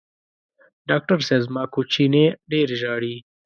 ډاکټر صېب زما کوچینی ډېر ژاړي